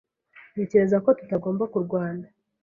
Ntekereza ko tutagomba kurwana.